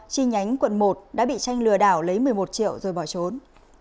chi nhánh quận một đã bị tranh lừa đảo lấy một mươi một triệu rồi bỏ trốn